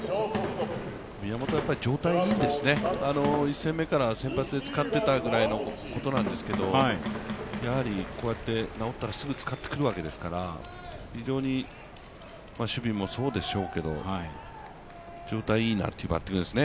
宮本は状態がいいんですね、１戦目から先発で使っていたぐらいのことなんですけどやはりこうやって治ったらすぐ使ってくるわけですから、非常に守備もそうでしょうけど、状態いいなっていうバッティングですね。